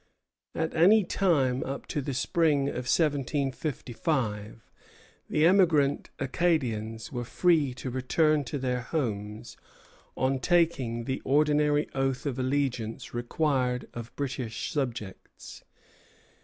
At any time up to the spring of 1755 the emigrant Acadians were free to return to their homes on taking the ordinary oath of allegiance required of British subjects.